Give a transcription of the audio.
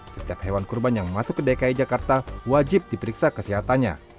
setiap hewan kurban yang masuk ke dki jakarta wajib diperiksa kesehatannya